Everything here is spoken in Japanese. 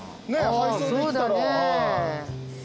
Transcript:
配送できたら。